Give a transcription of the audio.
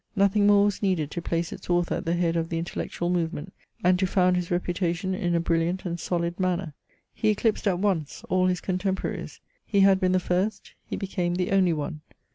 Nothing more was needed to place its author at the head of the intellectual movement, and to found his reputation in a brilliant and solid manner. He eclipsed at once all his contemporaries. He had been the first ; he became the only one.